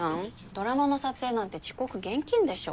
ドラマの撮影なんて遅刻厳禁でしょ？